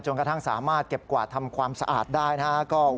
กระทั่งสามารถเก็บกวาดทำความสะอาดได้นะครับ